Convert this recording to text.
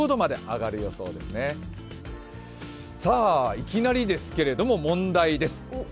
いきなりですけれども、問題です。